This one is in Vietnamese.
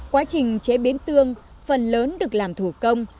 quá trình chế biến tương phần lớn được làm thủ công